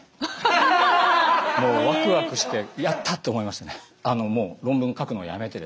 もうワクワクして「やった！」って思いましたね。